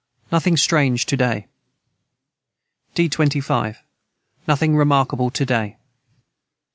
Nothing strange to day. D 25. Nothing remarkable to day.